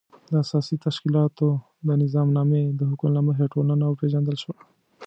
د اساسي تشکیلاتو د نظامنامې د حکم له مخې ټولنه وپېژندل شوه.